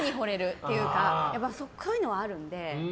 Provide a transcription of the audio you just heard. そういうのはあるんで。